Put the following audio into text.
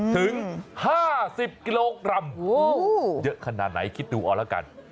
ถึง๕๐กิโลกรัมเยอะขนาดไหนคิดดูเอาละกัน